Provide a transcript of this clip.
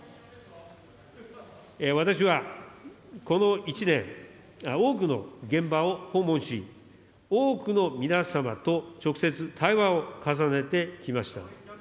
私はこの１年、多くの現場を訪問し、多くの皆様と直接、対話を重ねてきました。